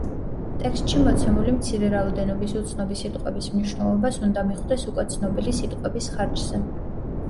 ტექსტში მოცემული მცირე რაოდენობის უცნობი სიტყვების მნიშვნელობას უნდა მიხვდეს უკვე ცნობილი სიტყვების ხარჯზე.